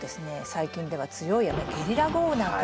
最近では強い雨ゲリラ豪雨なんかもやってきます。